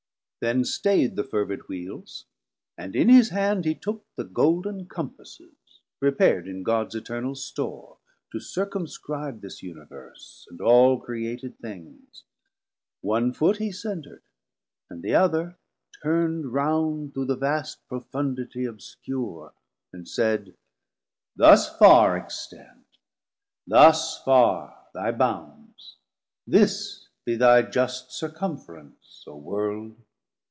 Then staid the fervid Wheeles, and in his hand He took the golden Compasses, prepar'd In Gods Eternal store, to circumscribe This Universe, and all created things: One foot he center'd, and the other turn'd Round through the vast profunditie obscure, And said, thus farr extend, thus farr thy bounds, 230 This be thy just Circumference, O World.